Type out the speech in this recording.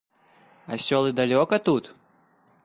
А сёлы далёка тут?